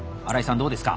どうですか？